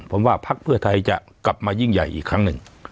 ผมว่าพักเพื่อไทยจะกลับมายิ่งใหญ่อีกครั้งหนึ่ง